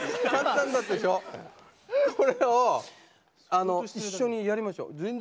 これを一緒にやりましょう。